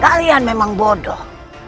kalian memang bodoh